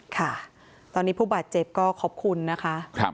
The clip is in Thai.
ค่ะตอนนี้ผู้บาดเจ็บก็ขอบคุณนะคะ